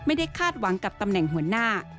คาดหวังกับตำแหน่งหัวหน้า